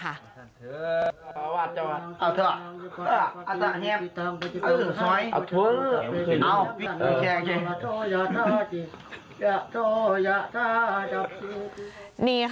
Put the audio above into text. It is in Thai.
ร้านของรัก